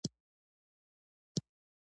تنور د دودیزو خوړو زړه دی